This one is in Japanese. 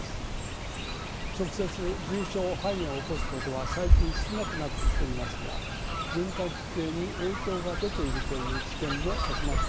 直接重症肺炎を起こすことは最近少なくなってきていますが循環器系に影響が出ているという知見も集まっています。